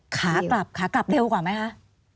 ขากลับเร็วกว่าไหมฮะ